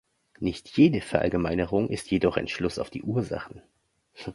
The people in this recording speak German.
Nicht jede Verallgemeinerung ist jedoch ein Schluss auf Ursachen.